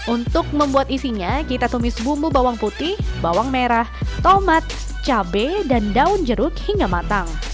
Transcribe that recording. untuk membuat isinya kita tumis bumbu bawang putih bawang merah tomat cabai dan daun jeruk hingga matang